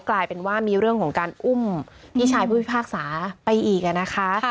กลายเป็นว่ามีเรื่องของการอุ้มพี่ชายผู้พิพากษาไปอีกนะคะ